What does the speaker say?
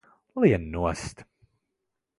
Lien nost!